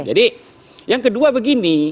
jadi yang kedua begini